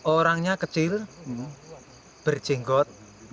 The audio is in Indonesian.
orangnya kecil berjenggot